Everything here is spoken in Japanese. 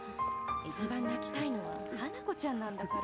いちばん泣きたいのは花子ちゃんなんだから。